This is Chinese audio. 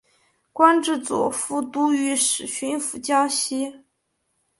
官至左副都御史巡抚江西。